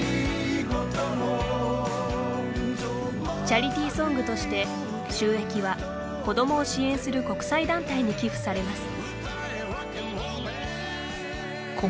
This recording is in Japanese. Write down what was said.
チャリティーソングとして収益は子どもを支援する国際団体に寄付されます。